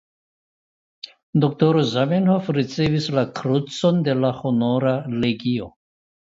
Doktoro Zamenhof ricevis la krucon de la Honora legio.